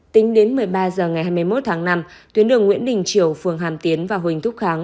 tính đến một mươi ba h ngày hai mươi một tháng năm tuyến đường nguyễn đình triều phường hàm tiến và huỳnh thúc kháng